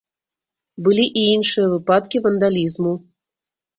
Былі і іншыя выпадкі вандалізму.